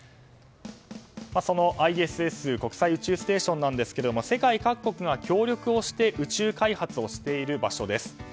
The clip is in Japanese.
そのＩＳＳ・国際宇宙ステーションなんですが世界各国が協力をして宇宙開発をしている場所です。